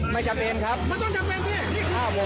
ไม่จำเป็นครับไม่ต้องจำเป็น